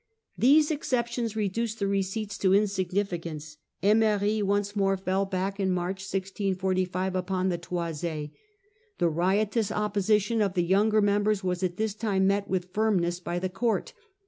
These exceptions reduced the receipts to insignifi cance. 6mery once more fell back in March 1645 upon the toisl. The riotous opposition of the younger mem bers was this time met with firmness by the court.